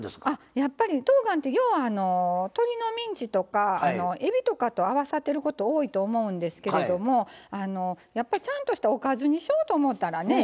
やっぱりとうがんって要は鶏のミンチとかえびとかと合わさってること多いと思うんですけれどもやっぱりちゃんとしたおかずにしようと思ったらね